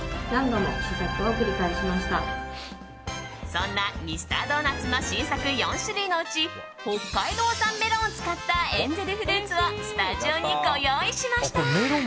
そんなミスタードーナツの新作４種類のうち北海道産メロンを使ったエンゼルフルーツをスタジオにご用意しました。